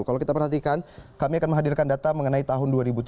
kalau kita perhatikan kami akan menghadirkan data mengenai tahun dua ribu tujuh belas